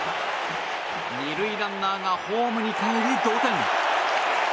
２塁ランナーがホームにかえり同点。